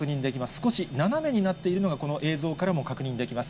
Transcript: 少し斜めになっているのが、この映像からも確認できます。